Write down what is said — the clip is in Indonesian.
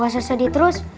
gak usah sedih terus